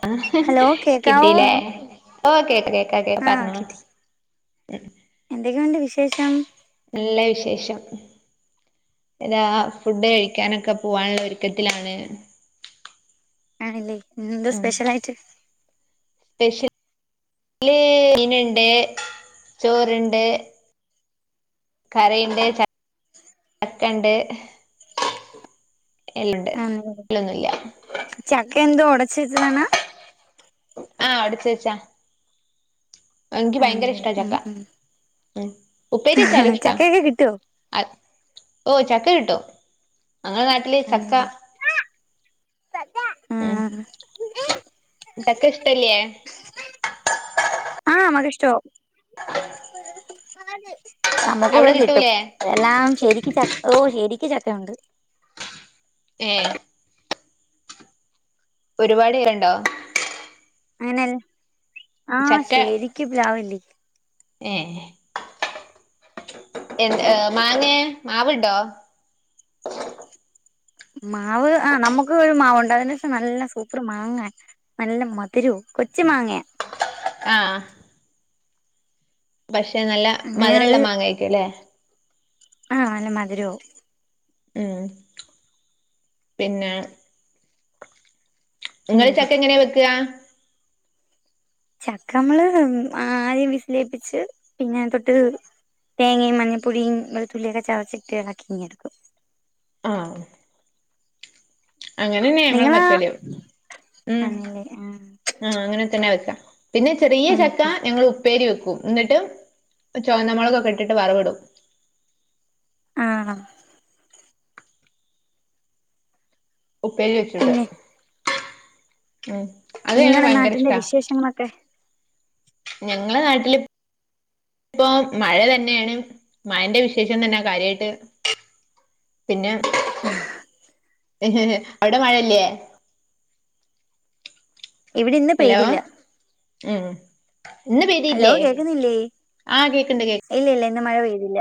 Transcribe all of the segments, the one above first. ഹ്ഹ്ഹ് hello കേക്കാവോ കിട്ടീല്ലേ ഓക്കെക്കെക്കെ പറ ഞ്ഞോള എന്തൊക്കെണ്ട് വിശേഷം നല്ല വിശേഷം ഇതാ ഫുഡ് കഴിക്കാനെക്കെ പോവാനൊള്ളൊരുക്കത്തിലാണ് ആണല്ലേ ഇന്നെന്തോ സ്പെഷ്യലായിട്ട് സ്പെഷ്യ ല് ഇനുണ്ട് ചോറ്ണ്ട് കറിണ്ട് ചക്ക ണ്ട്ഹ് എല്ലുണ്ട് ആന്നല്ലേ അല്ലൊന്നുല്ല്യ ചക്ക എന്തുവ ഒടച്ചെച്ചതാണ് ആഹ് ഒടച്ചെച്ചാണ് എൻക്ക് ഭയങ്കര ആന്നല്ലേ ഇഷ്ടാ ചക്ക ഉം ഉം ഉം ഉപ്പേരിച്ചാലും ഇഷ്ടാ ചക്കയൊക്കെ കിട്ടുവോ അ ഓ ചക്ക കിട്ടോ [unintelligible] വന്നിലെ ഉം ചക്ക ഇഷ്ടല്ല്യേ നമക്ക്ഷ്ട്ട അവിടെ നമ്മക്കുവ്ടെ കിട്ടും കിട്ടൂലേ എല്ലാം ശരിക്ക് ചക്കോ ശരിക്ക് ചക്ക യൊണ്ട് ഏഹ് ഒരുപാടീറണ്ടോ അങ്ങനെൻ ആഹ് ചക്ക ശരിക്ക് പ്ലാവിണ്ട് ഏഹ് എന്ത് മാങ്ങേ മാവ്ണ്ടോ മാവ് ആഹ് നമുക്ക് ഒരു മാവുണ്ട് [unintelligible] നല്ല സൂപ്പർ മാങ്ങായ നല്ല മധുരോ കൊച്ച് മാങ്ങയ ആഹ് പക്ഷെ നല്ല അങ്ങനെ അത് മധുരള്ള മാങ്ങ യ് ക്കും ല്ലേ ആഹ് നല്ല മധുരവു ഉം പിന്നെ ഇങ്ങള് ഉം ചക്കങ്ങനെ വെക്ക ചക്കമ്മള് ആദ്യം വിസിലിളിപ്പിച്ച് പിന്നെ തൊട്ട് തേങ്ങിം മഞ്ഞ പൊടീം വെളു തുള്ളിയൊക്കെ ചതച്ചിട്ടി ഇളക്കി ങ്ങെടുക്കും ആഹ് അങ്ങനെന്നെ ഞങ്ങൾ നിങ്ങളാ വെക്കല് ഉം ആഹ് അങ്ങനെ തന്നെ വെക്കാ പിന്നെ ചെറിയ ചക്ക ഞങ്ങള് ഉപ്പേരി വെക്കും ന്നിട്ട് ചൊവന്നമൊളകൊക്കെട്ടിട്ട് വറവ്ടും ആണോ ഉപ്പേരി വെചൂടെ പിന്നെ ഉം അത് ഞങ്ങക്ക് നിങ്ങളെ ഭയങ്കര നാട്ടിന്റെ ഇഷ്ടാ വിശേഷണങ്ങളക്കെ ഞങ്ങളെ നാട്ടില് ഇപ്പൊ മഴ തന്നെണ് മഴന്റെ വിശേഷം തന്നാ കാര്യായിട്ട് പിന്നെ [unintelligible] ഹേ ഹേ അവിടെ മഴയില്ലേ ഇവിടെ ഇന്ന് ഹലോ പെയ്തില്ല ഉം ഇന്ന് ഹലോ പെയിതില്ലേ കേക്കുന്നില്ലേ ആഹ് കേക്ക്ണ്ട് കേ ഇല്ല ഇല്ല ഇന്ന് മഴ പെയ്തില്ല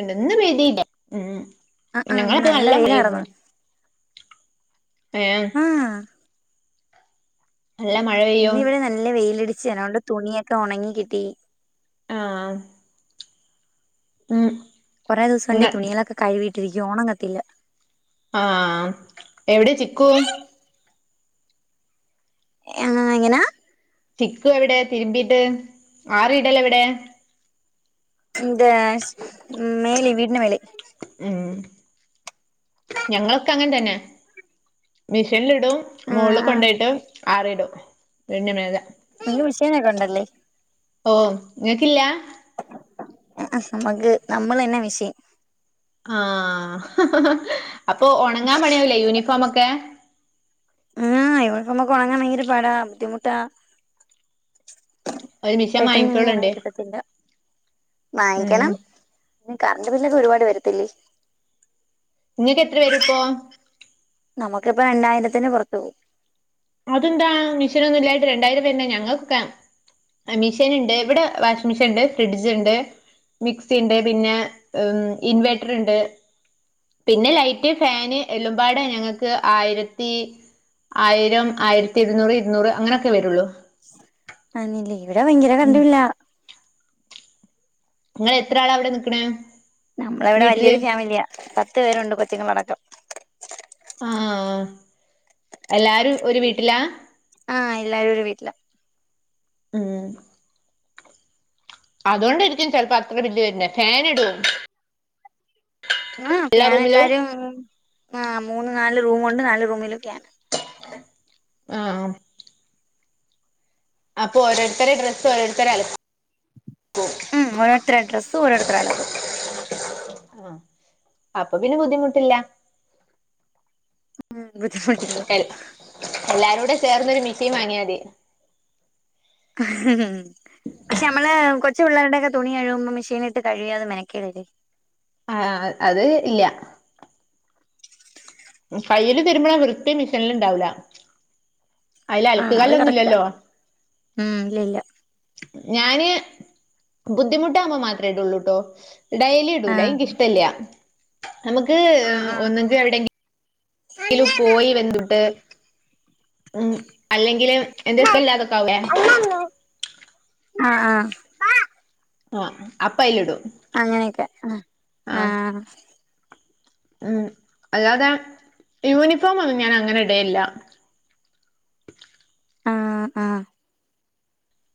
ണ്ട് ന്ന് പെയ്തില്ല ഉം ആഹ് ആഹ് ഞങ്ങളപ്പോ നല്ല മഴ പെയ്തു വെയിലാർന്ന് എം ആഹ് നല്ല മഴ പെയ്യും ഇന്നി വിടെ നല്ല വെയില്ടിച്ച് അതോണ്ട് തുണിയൊക്കെ ഒണങ്ങി കിട്ടി ആഹ് ഉം കൊറെ ദിവസന്റെ ഇങ്ങ തണികളൊക്കെ കഴിവിട്ടിരിക്ക ഒണങ്ങത്തില്ല ആഹ് എവിടെ ചിക്കു എങ്ങന എങ്ങനാ ചിക്കു എവിടെ തിരുമ്പീട്ട് ആറിടലെവിടെ ഇന്റെ ശ് മേലി വിടിന മേലെ ഉം ഞങ്ങളക്ക ങ്ങനെ തന്നെ മിഷനി ടും ആഹ് മോള്ല് ആഹ് കൊണ്ടെയിട്ട് ആറിടും വണ്യമേല നീക്ക് മിഷിനെക്കണ്ടല്ലേ ഓ നിങ്ങക്കില്ല അഅ നമുക്ക് നമ്മള് തന്നെ മിഷീൻ ആഹ് അപ്പൊ ഉണങ്ങാൻ പണിയാവുല്ലേ യൂണിഫോമ് ഒക്കെ ആഹ് യൂണിഫോമ് ഒക്കെ ഉണങ്ങാൻ ഭയങ്കര പാടാ ബുദ്ധിമുട്ടാ ഒരു മിഷൻ പെട്ടെന്നൊന്നും ഉണങ്ങി വാങ്ങിക്കോളുണ്ട് കിട്ടത്തില്ല ഉം വാങ്ങിക്കണം കറണ്ട് ബില്ലൊക്കെ ഒരുപാട് വരത്തില്ലേ നിങ്ങക്ക് എത്ര വരും ഇപ്പോ നമുക്കിപ്പ രണ്ടായിരത്തിന് പുറത്ത് പോവും അതെന്താ മിഷനൊന്നും ഇല്ലായിട്ട് രണ്ടായിരം വരൂന്നെ ഞങ്ങകൊക്കെ മിഷീൻ ഇണ്ട് ഇവിടെ വാഷിംഗ് മിഷീൻ ഉണ്ട് ഫ്രിഡ്ജ് ഇണ്ട് മിക്സി ഇണ്ട് പിന്നെ ഉം ഇൻവേട്ടർ ഇണ്ട് പിന്നെ ലൈറ്റ് ഫാന് എല്ലുമ്പാട ഞങ്ങക്ക് ആയിരത്തി ആയിരം ആയിരത്തി ഇരുന്നൂറ് ഇരുന്നൂറ് അങ്ങനെയൊക്കെ വരുള്ളൂ അനില്ലേ ഇവിടെ ഭയങ്കര കരണ്ടു ഉം ബില്ലാ നിങ്ങള് എത്ര ആളാ അവിടെ നിക്ക്ണ നമ്മള് ഇവിടെ വലിയൊരു ഫാമിലിയാ പത്ത് പേരുണ്ട് കൊച്ചുങ്ങളടക്കം ആഹ എല്ലാരും ഒരു വീട്ടിലാ ആഹ് എല്ലാരും ഒരു വീട്ടിലാ ഉം അതുകൊണ്ടായിരിക്കും ചിലപ്പോ അത്ര ബില്ല് വര്നെ. ഫാൻ ഇടുവോ? ആഹ് എല്ലാ ഫ്യാൻ റൂമിലും എല്ലാരും ആഹ് മൂന്ന് നാല് റൂം ഉണ്ട്. നാല് റൂമില് ഫ്യാനാ ആഹ് ആം അപ്പൊ ഓരോരുത്തരെ ഡ്രസ്സ് ഓരോരുത്തര് അലക് ക്കോ ഉം ഒരോരുത്തരെ ഡ്രസ് ഒരോരുത്തര് അലക്കും. ആഹ് അപ്പൊ പിന്നെ ബുദ്ധിമുട്ടില്ല ഉം ബജ്ഫട്ടില്ലേ എല്ലാരൂടെ ചേർന്നൊരു മിഷീൻ വാങ്ങിയാ മതി. ആഹ് നാ പക്ഷെ നമ്മള് കൊച്ചു പിള്ളേരുടെയോക്കെ തുണി കഴുകുമ്പോ മെഷീനിട്ടു കഴുകിയാ അത് മെനക്കേട് അല്ലെ ആഹ് അത് ഇല്ല കയ്യില് തിരുമണ വൃത്തി മിഷീൻല് ഉണ്ടാവൂല്ലാ. അയില് ആ അലക്ക് അത് കറക്റ്റാ കല്ലൊന്നുല്ലല്ലോ ഉം ഇല്ല ഇല്ല ഞാന് ബുദ്ധിമുട്ടാകുമ്പോ മാത്രേമേയിടൊള്ളൂ ട്ടോ ഡെയ്ലി ആ ഇടൂല. അതിൻക്ക് ഇഷ്ടല്ല. നമക്ക് ആ ആ ഒന്നെങ്കി എവിടെ ങ്കിലും പോയി വെന്തുട്ട് ഉം അല്ലെങ്കില് എന്തെ [unintelligible] അതൊക്കൊവുലേ ആഹ് ആഹ് ആഹ് അപ്പ അയില്ടും. അങ്ങനെയൊക്കെ അഹ് ആഹ് ഉം അല്ലാതെ യൂണിഫോം ഒന്നും ഞാൻ അങ്ങനെ ഇടേല്ല. ആഹ് ആഹ്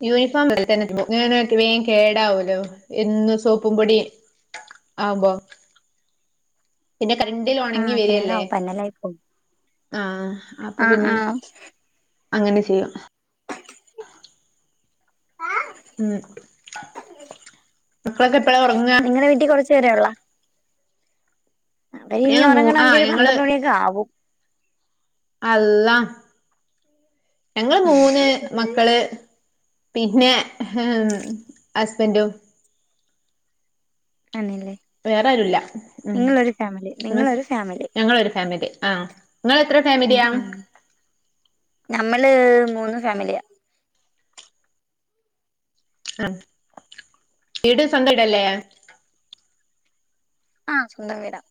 യൂണിഫോം അതിൽ തന്നെ ഇടും. ഇങ്ങനെ ങ്ങനാക്കി വേം കേടാവല്ലോ എന്നും സോപ്പും പൊടിം ആവുമ്പം പിന്നെ കരണ്ടില് ആ ഉണങ്ങി വരല്ലേ. കേടാവും പന്നലായി പോവും ആഹ് അപ്പൊ ആ പിന്നെ ആ അങ്ങനെ ചെയ്യും. ഉം മക്കളൊക്കെ എപ്പഴാ ഒറങ്ങാ? ശരിയുള്ളാ അവിടെ ഇനി ഞങ്ങൾ മൂ ഒറങ്ങണമെങ്കി ആഹ് ഒരു ഞങ്ങള് പന്ത്രണ്ട് മണിയൊക്കെ ആവും. അള്ളഹ് ഞങ്ങള് മൂന്ന് മക്കള് പിന്നെ ഹേ ഹസ്ബന്റും. ആണ് ല്ലേ. വേറെ ആരൂല്ല. ഉം നിങ്ങളൊരു ഫാമിലി ഞങ്ങളൊരു ഫാമിലി ആഹ് ഇങ്ങള് എത്ര ഉം. ഞമ്മള് മൂന്ന് ഫാമിലിയാ ആഹ് ഇടെ സ്വന്തം ഈടല്ലേ ആഹ് സ്വന്തം വീടാ.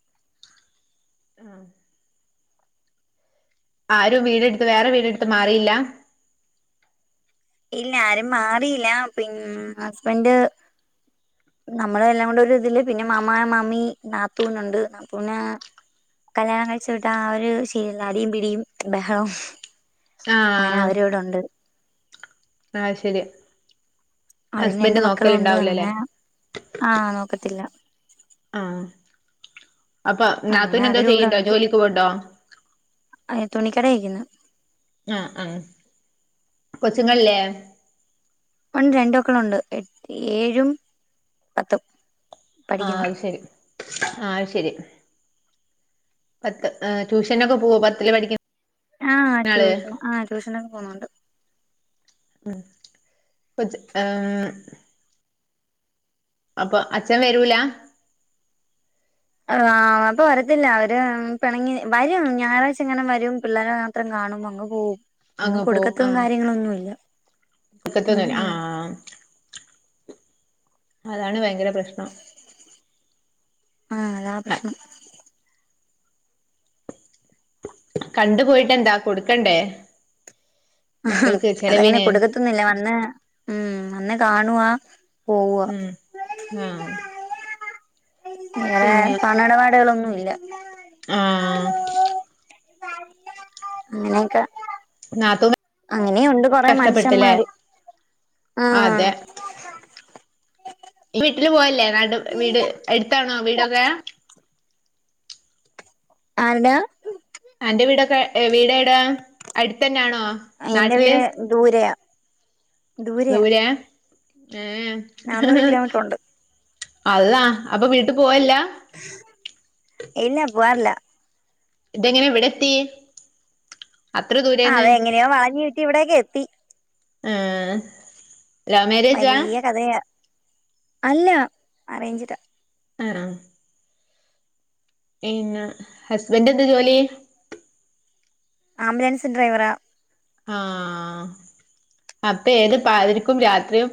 ആഹ് ആരും വീടെടുത്ത് വേറെ വീടെടുത്ത് മാറിയില്ലാ? ഇല്ല ആരും മാറിയില്ല പിൻ ഹസ്ബൻഡ് നമ്മളല്ലാം കൂടൊരുതില് പിന്നെ മാമ, മമ്മി, നാത്തൂനുണ്ട്. നാത്തൂന് കല്യാണം കഴിച് വിട്ട ആ ഒരു ശീലിൽ പിടിയും ബഹളവും. അങ്ങനെ ആഹ് അവരു ഇവിടൊണ്ട്. ആഹ് ശരി. അതിന് ഹസ്ബന്റ് നോക്കല്ണ്ടാവൂല ലേ? ആഹ് നോക്കത്തില്ല. ആഹ്. അപ്പൊ അങ്ങനെ നാത്തുന് എന്തോ അവരിവിടെ ചെയ്യ്ണ്ടോ ജോലിക്ക് പോവ്ണ്ടോ? അയെ തുണിക്കടയി നിക്കുന്ന്. ആഹ് ആഹ്. കൊച്ചുങ്ങളില്ലേ? ഉണ്ട് രണ്ട് മക്കളുണ്ട്. ഏഴും പത്തും ആഹ് പഠിക്കുന്നു അത് ശരി. ആഹ് അയി ശെരി. പത്ത് ഏഹ് ട്യൂഷനൊക്കെ പോവോ പത്തില് പഠിക്ക് ആഹ് ട്യൂഷൻ ആ ട്യൂഷനൊക്കെ പോണ് ണ്ട് [unintelligible] അപ്പൊ അച്ഛൻ വരൂല. ആഹ് അപ്പൊ വരത്തില്ല അവര് പിണങ്ങി വരും ഞായറാഴ്ച ഇങ്ങനെ വരും പിള്ളേരെ മാത്രം കാണും അങ്ങ് പോവും. ഒന്നും അങ്ങ് പോവും കൊടുക്കത്തും ആഹ് കാര്യങ്ങളൊന്നുംല്ല ഉം ഒക്കത്തൊന്നുല്ല ഉം ആഹ് അതാണ് ഭയങ്കര പ്രശ്നം. ആഹ് അതാ പ്രശ്നം. കണ്ടു പോയിട്ടന്താ കൊടുക്കണ്ടേ? മക്കൾക്ക് അതങ്ങനെ ചെലവിന് കൊടുക്കത്തുന്നില്ല വന്ന് ഉം വന്ന് കാണുവാ പോവുവാ ഉം ആഹ് വെറെ പിന്നെ പണം ഇടപാടുകളൊന്നുംല്ല. ആഹ് അങ്ങനെകൊ നാത്തൂൻ അങ്ങനെയുണ്ട് കൊറെ കഷ്ടപ്പെട്ടില്ലേ മനുഷ്യന്മാര്. ആഹ് അതെ ഈ വീട്ടിൽ പോയല്ലേ നാട്ട് വീട് അടുത്താണോ വീടൊക്കെ? ആരുടൊ അന്റെ വീടൊക്കെ വീട ടാ അടുത്തന്നാണോ? എന്റെ നാട്ടില് വീട് ദൂരയാ ദുരെയ നാന്നൂറ് അഹ് കിലോമീറ്റർ ഉണ്ട് അല്ലാ അപ്പൊ വീട്ട് പോവലലില്ല ഇല്ലാ പോവറില്ലാ ഇതെങ്ങനെ വിടെത്തി. ആഹ് അതങ്ങനെയോ വളഞ്ഞി ചുറ്റി ഇവിടേക്ക് എത്തി. ആഹ് വലിയ കഥയാ അല്ല അറേഞ്ചിട് ആഹ് പിന്നെ ഹസ്ബന്റ് ന്താ ജോലി ആംബുലൻസ് ഡ്രൈവറ.. ആഹ അപ്പൊ ഏത് പതിരക്കും രാത്രിയും..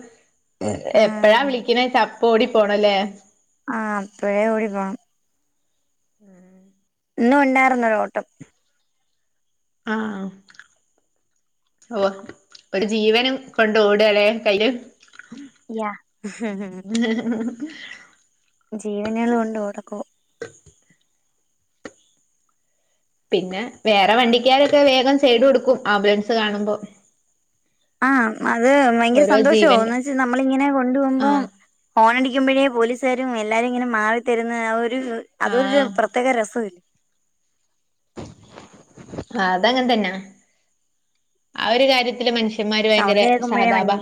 എപ്പഴാ ആഹ് വിളിക്ണെച്ചാൽ അപ്പൊ ഓടി പോണല്ലേ? ആഹ് അപ്പഴേ ഓടി പോണം. ഉം. ഇന്നും ഉണ്ടായിർന്ന് ഒരു ഓട്ടം. ആഹ് ഓ ഒരു ജീവനും കൊണ്ട് ഓട് അല്ലെ കയ്യില്. യാ ഹ് ഹ് ഹ് ഹ്.. ജീവനുകൾ കൊണ്ട് ഓടിക്കു.. പിന്നെ വേറെ വണ്ടിക്കാരൊക്കെ വേഗം സൈഡ് കൊടുക്കും ആംബുലൻസ് കാണുമ്പോ. ആഹ് അത് ഭയങ്കര ഓരോ സന്തോഷമാവും ജീവന്റെ എന്ന് വെച്ച നമ്മള് ഇങ്ങനെ കൊണ്ട് പോകുമ്പോം. ആഹ് ഓണ് ടിക്കുമ്പോഴേ പോലീസുകാരും എല്ലാരും ഇങ്ങനെ മാറിത്തരുന്ന അതൊ ഒരു ആഹ് പ്രത്യേക രസം. ആ അതങ്ങെ തന്നാ ആ ഒരു കാര്യത്തില് മനുഷ്യ. മനുഷ്യൻ മ്മാര് ഭയങ്കര സൗണ്ട് കേൾക്കുമ്പോഴേ വണ്ടി സഹതാപാ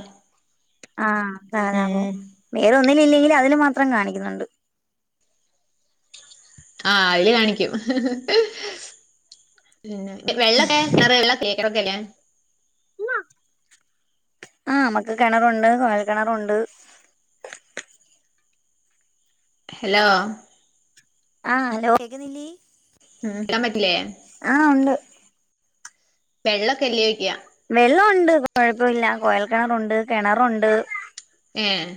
ഉം. വേറെന്നിൽ ഇല്ലെങ്കിൽ അതിൽ മാത്രം കാണിക്കുന്നുണ്ട്. ആ അതില് കാണിക്കും. പിന്നെ വെള്ളൊക്കെ [unintelligible] കേക്കറക്കെ ഇല്ലേ.. ആഹ് നമുക്ക് കിണറുണ്ട് കോയൽ കിണറുണ്ട്. ഹലോ? ആഹ് [unintelligible] ഉം ഇടക്കാൻ പറ്റൂലെ.. ആഹ ഉണ്ട്.. വെള്ളം ഒക്കെ ഇല്ലെന്ന് ചോയ്ക്കാ.. വെള്ളമുണ്ട് കുഴപ്പമില്ല കോയൽ കിണറുണ്ട് കിണറുണ്ട്.. ഏഹ്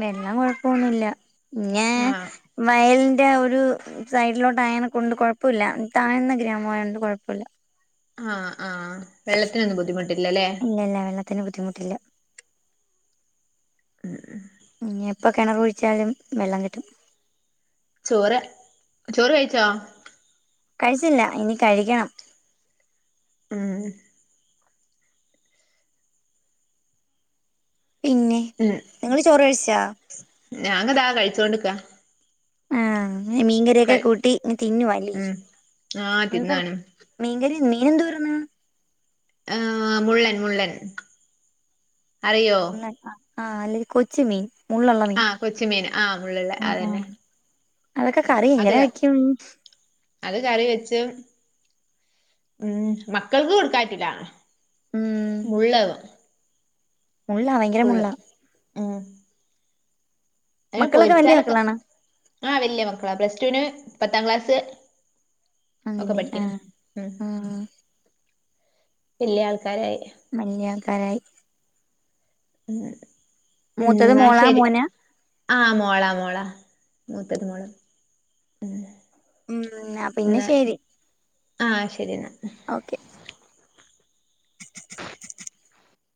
വെള്ളം കൊഴപ്പൊന്നില്ല ഞേ.. ഹ് ആഹ് വയലിന്റെ ഒരു സൈഡിലോട്ട് ആയനെ കൊണ്ട് കുഴപ്പമില്ല താഴ്ന്ന ഗ്രാമമായയ കൊണ്ട് കുഴപ്പമില്ല.. ആഹ് ആഹ വെള്ളത്തിനൊന്നും ബുദ്ധിമുട്ടില്ലല്ലേ.. [unintelligible] അത്തിന് ബദ്ധിമുട്ടില്ല.. ഉം ഉം.. എപ്പ കിണർ കുഴിച്ചാലും വെള്ളം കിട്ടും.. ചോറ് ചോറ് കഴിച്ചോ.. കഴിച്ചില്ല ഇനി കഴിക്കണം.. ഉം.. പിന്നെ.. ഉം.. നിങ്ങള് ചോറ് വെയ്ച്ച.. ഞാനിതാ കഴിച്ചുകൊണ്ട്ക്കാ.. മീൻകറി ഒക്കെ കഴി കൂട്ടി തിന്നുവല്ലേ ഉം ആഹ് എന്ത.. തിന്നാണ് മീൻകറി മീൻ എന്തു വർന്ന്.. ആഏഹ മുള്ളൻ മുള്ളൻ അറിയോ.. ആ ആഹ് അല്ലെങ്ക കൊച്ച് മീൻ.. മള്ള്ളമീൻ ആഹ് കൊച്ചുമീൻ ആഹ് മുള്ളുള്ള അതന്നെ അതൊക്കെ കറി അത് എങ്ങനെ ക വെക്കും.. അത് കറി വെച്ച് ഉം മക്കൾക്ക് കൊടുക്കാൻ പറ്റൂല.. ഉം മുള്ളവും.. മുള്ളാ ഭയങ്കര മുള്ളാ.. അന് മക്കളൊക്കെ വല്യ പൊരിച്ചാലെക്കെ മക്കളാണോ ആഹ വലിയ മക്കളാ പ്ലസ്റ്റു വിന് പത്താം ക്ലാസ്സ്.. ഒക്കെ ആണല്ലേ പഠിക്കണ് ആഹ് ഉം വല്യാൾക്കാരായി മല്ലിയാകാരായി ഉം മൂത്തത് ന്നാ മോള ശരി മോന ആ മോളാ മോളാ മൂത്തത് മോള ഉം പിന്നെ ന്നാ ശരി ആ ശെരി എന്നാ ഓക്കെ